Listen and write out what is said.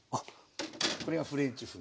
これがフレンチ風。